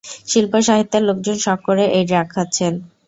শিল্পসাহিত্যের লোকজন শখ করে এই ড্রাগ খাচ্ছেন।